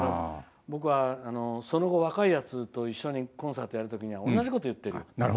僕はその後、若いやつと一緒にコンサートやる時には同じこと言ってる。